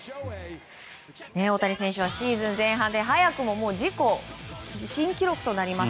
大谷選手はシーズン前半で早くも自己新記録となります